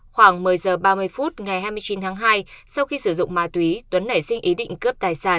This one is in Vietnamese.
khoảng một mươi h ba mươi phút ngày hai mươi chín tháng hai sau khi sử dụng ma túy tuấn nảy sinh ý định cướp tài sản